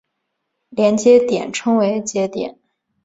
连接点称为节点。